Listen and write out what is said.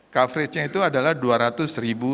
coverage nya itu adalah dua ratus ribu